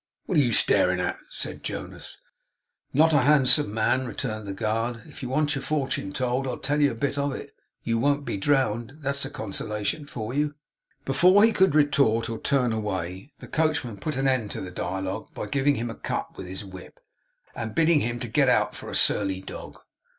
'What are you staring at?' said Jonas. 'Not at a handsome man,' returned the guard. 'If you want your fortune told, I'll tell you a bit of it. You won't be drowned. That's a consolation for you.' Before he could retort or turn away, the coachman put an end to the dialogue by giving him a cut with his whip, and bidding him get out for a surly dog.